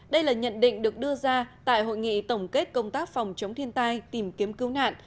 đây là nhận định được đưa ra tại hội nghị tổng kết công tác phòng chống thiên tai tìm kiếm cứu nạn